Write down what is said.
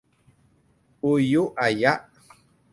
อูยุอะยะ